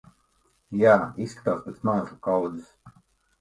Jā, izskatās pēc mēslu kaudzes.